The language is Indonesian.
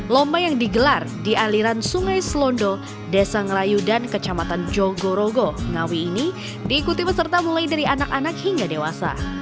lomba yang digelar di aliran sungai selondo desa ngerayu dan kecamatan jogorogo ngawi ini diikuti peserta mulai dari anak anak hingga dewasa